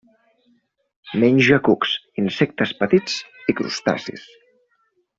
Menja cucs, insectes petits i crustacis.